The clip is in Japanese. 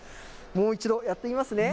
もう一度やってみますね。